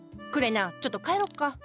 くれなちょっと帰ろっか。